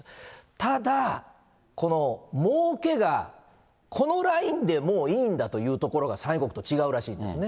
ただ、このもうけが、このラインでもういいんだというところが、産油国と違うらしいんですね。